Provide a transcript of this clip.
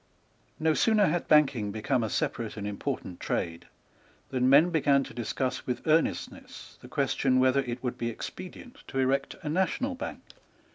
No sooner had banking become a separate and important trade, than men began to discuss with earnestness the question whether it would be expedient to erect a national bank.